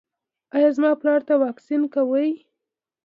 ایا زما پلار ته واکسین کوئ؟